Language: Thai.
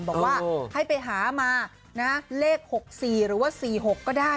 บอกว่าให้ไปหามานะเลข๖๔หรือว่า๔๖ก็ได้